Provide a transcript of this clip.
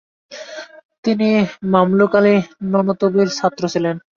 তিনি মামলুক আলী নানুতুবির ছাত্র ছিলেন।